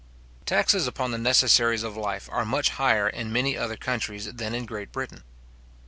Taxes upon the necessaries of life are much higher in many other countries than in Great Britain.